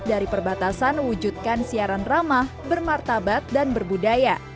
dari perbatasan wujudkan siaran ramah bermartabat dan berbudaya